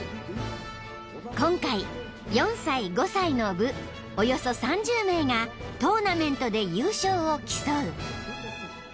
［今回４歳５歳の部およそ３０名がトーナメントで優勝を競う］